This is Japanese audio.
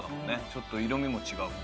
ちょっと色味も違う。